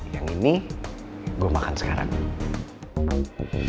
yang ini gue makan sekarang